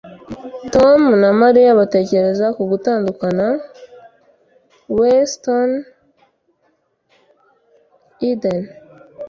Tom na Mariya batekereza ku gutandukana WestofEden